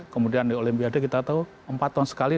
kemudian di olimpiade kita tahu empat tahun sekali